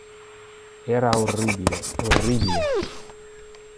Era orribile, orribile!